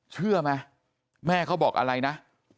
เชื่อไหมแม่เขาบอกอะไรนะ